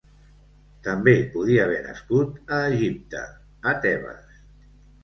També podia haver nascut a Egipte, a Tebes.